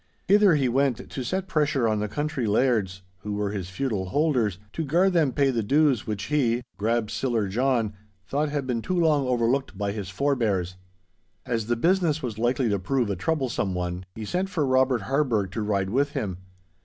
Hither he went to set pressure on the country lairds, who were his feudal holders, to gar them pay the dues which he, Grab siller John, thought had been too long overlooked by his forebears. As the business was likely to prove a troublesome one, he sent for Robert Harburgh to ride with him.